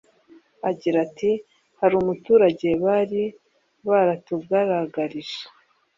Agira ati “Hari umuturage bari baratugaragarije